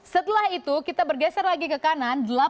setelah itu kita bergeser lagi ke kanan